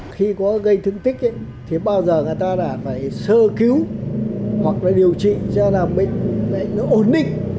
khi có gây thương tích thì bao giờ người ta là phải sơ cứu hoặc là điều trị cho là bệnh nó ổn định